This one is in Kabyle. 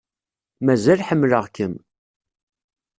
Mazal ḥemmleɣ-kem.